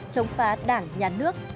chống phá đảng nhà nước